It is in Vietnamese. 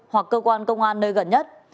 hoặc cơ quan công an nơi gần nhất